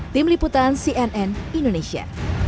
tim liputan cnn indonesia